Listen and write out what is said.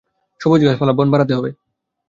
সবুজ গাছপালা, বন বাড়াতে হবে।